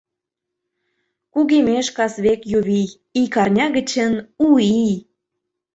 Кугемеш кас век ю вий: Ик арня гычын — У ий.